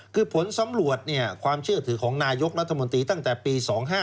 คือผลสำรวจความเชื่อถือของนายกรัฐมนตรีตั้งแต่ปี๒๕๕